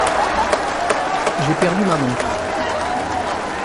J’ai perdu ma montre.